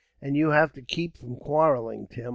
"And you have to keep from quarrelling, Tim.